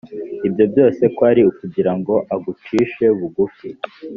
ibyo byose kwari ukugira ngo agucishe bugufi